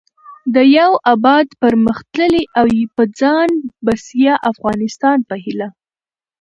د يو اباد٬پرمختللي او په ځان بسيا افغانستان په هيله